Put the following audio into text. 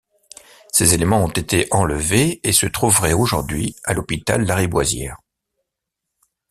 Ces éléments ont été enlevés et se trouveraient aujourd'hui à l'hôpital Lariboisière.